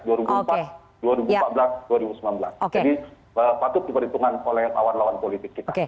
jadi patut diperhitungkan oleh lawan lawan politik kita